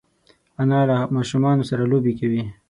انا له ماشومانو سره لوبې کوي